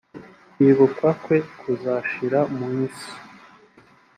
kwibukwa kwe kuzashira mu isi.